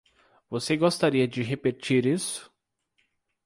Você gostaria de repetir isso?